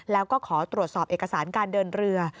แล้วก็ขอตรวจสอบเอกสารการเดินเรือ